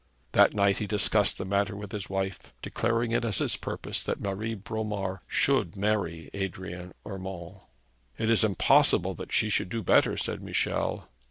That night he discussed the matter with his wife, declaring it as his purpose that Marie Bromar should marry Adrian Urmand. 'It is impossible that she should do better,' said Michel.